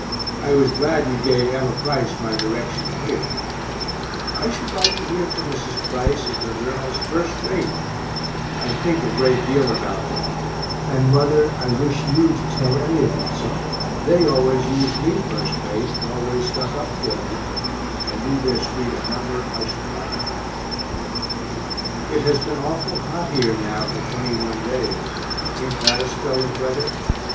I was glad you gave Emma Price my direction here; I should [like] to hear from Mrs. Price and her girls first rate, I think a great deal about them and mother, I wish you to tell any of them so; they always used me first rate, and always stuck up for me if I knew their street and number I should write. It has been awful hot here now for twenty one days; ain't that a spell of weather?